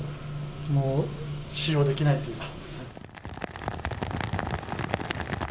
もう使用できないっていう状態ですね。